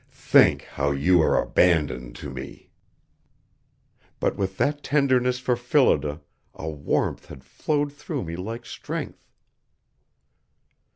Think how you are abandoned to me." But with that tenderness for Phillida a warmth had flowed through me like strength.